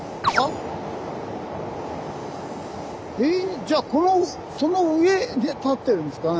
へえじゃあその上に立ってるんですかね？